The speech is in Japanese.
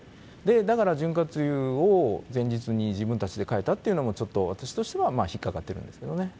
だから潤滑油を前日に自分たちで換えたっていうのも、ちょっと私としては引っ掛かってるんですけどね。